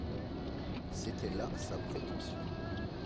C'était là sa prétention.